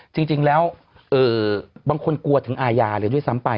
จริงแล้วบางคนกลัวถึงอาญาเลยด้วยซ้ำไป